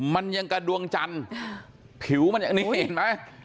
มันยังกระดวงจันทร์ผิวมันอย่างนี้เห็นไหม